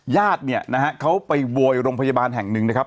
ญาติเขาไปโบยรงพยาบาลแห่งหนึ่งนะครับ